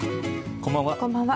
こんばんは。